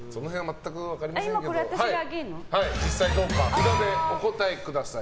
札でお答えください。